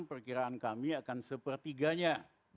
perkiraan kami akan sepertiganya